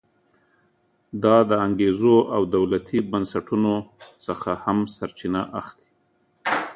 دا د انګېزو او دولتي بنسټونو څخه هم سرچینه اخلي.